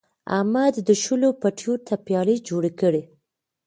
احمد د شولو پټیو تپیاري جوړې کړې.